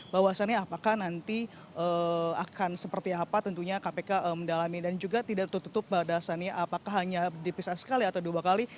bahwasannya apakah nanti akan seperti apa tentunya kpk mendalami dan juga tidak tertutup padasannya apakah hanya dipisah sekali atau dua kali